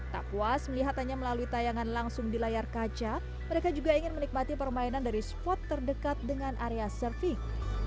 tak puas melihatannya melalui tayangan langsung di layar kaca mereka juga ingin menikmati permainan dari spot terdekat dengan area surfing